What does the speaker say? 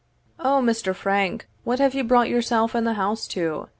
"O, Mr. Frank, what have you brought yourself and the house to?